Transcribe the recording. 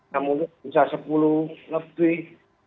namun misal sepuluh lebih